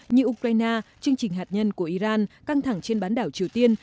như ukraine chương trình hạt nhân của iran căng thẳng trên bán đảo triều tiên